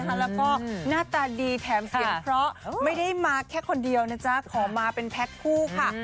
แล้วก็หน้าตาดีแถมเสียงเพราะไม่ได้มาแค่คนเดียวนะจ๊ะขอมาเป็นแพ็คคู่ค่ะ